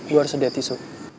gue harus udah tisu